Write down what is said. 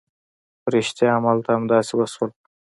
په رښتيا هم هلته همداسې وشول.